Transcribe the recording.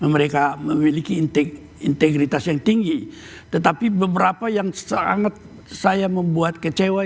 mereka memiliki integritas yang tinggi tetapi beberapa yang sangat saya membuat kecewa